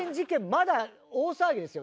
まだ大騒ぎですよ。